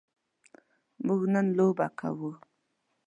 موږ نن لوبه کوو.